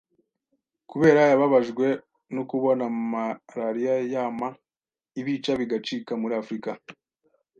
kubera yababajwe n'ukubona malaria yama ibica bigacika muri Afrika